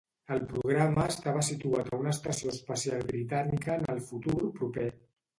El programa estava situat a una estació espacial britànica en el futur proper.